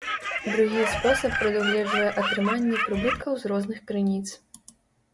Другі спосаб прадугледжвае атрыманне прыбыткаў з розных крыніц.